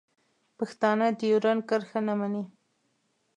پښتانه ډیورنډ کرښه نه مني.